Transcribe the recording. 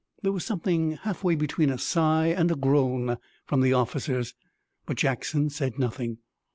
There was something halfway between a sigh and a groan from the officers, but Jackson said nothing.